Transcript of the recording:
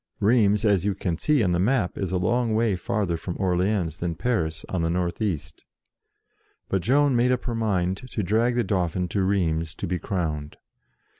Rheims, as you can see on the map, is a long way farther from Orleans than Paris, on the north east 66 JOAN OF ARC But Joan had made up her mind to drag the Dauphin to Rheims to be crowned.